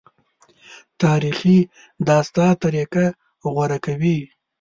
تاریخي داستان طریقه غوره کوي.